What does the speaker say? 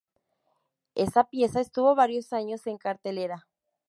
Esa pieza estuvo varios años en cartelera.